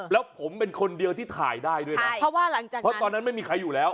แล้วผมเป็นคนเดียวที่ถ่ายได้ด้วยนะใช่เพราะว่าหลังจากนั้นเพราะตอนนั้นไม่มีใครอยู่แล้ว